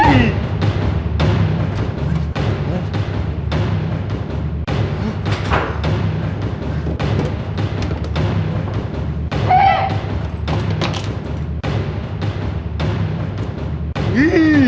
พี่